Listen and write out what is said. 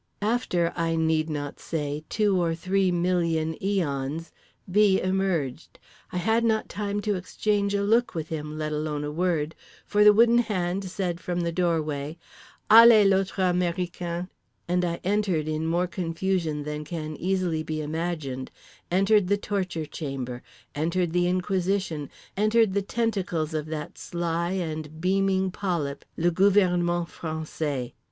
After (I need not say) two or three million aeons, B. emerged. I had not time to exchange a look with him—let alone a word—for the Wooden Hand said from the doorway: "Allez, l'autre américain," and I entered in more confusion than can easily be imagined; entered the torture chamber, entered the inquisition, entered the tentacles of that sly and beaming polyp, le gouvernement français….